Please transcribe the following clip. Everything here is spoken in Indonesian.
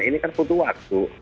ini kan butuh waktu